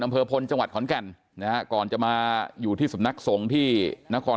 อำเภอพลจังหวัดขอนแก่นนะฮะก่อนจะมาอยู่ที่สำนักสงฆ์ที่นคร